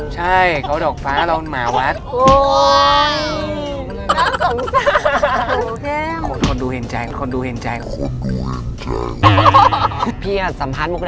ใช่เขาดอกฟ้าเราหมาวัด